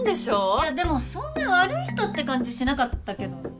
いやでもそんな悪い人って感じしなかったけどね。